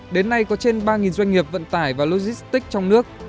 đến nay có trên ba doanh nghiệp vận tải và logistics trong nước